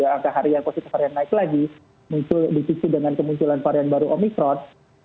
angka harian positif varian naik lagi muncul di situ dengan kemunculan varian baru omicron